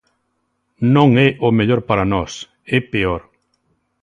Non é o mellor para nós, é peor!